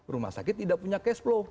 rumah sakit tidak punya cash flow